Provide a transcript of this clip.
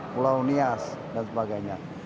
pulau nias dan sebagainya